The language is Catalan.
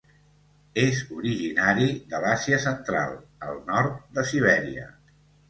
És originari de l'Àsia central, al nord de Sibèria.